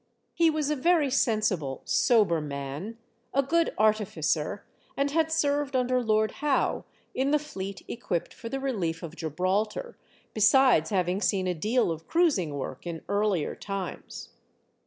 He was a very sensible, sober man. a 2'ood artificer, and had served 46 THE DEATH SHIP. under Lord Howe in the fleet equipped for the relief of Gibraltar, besides having seen a deal of cruising work in earlier times.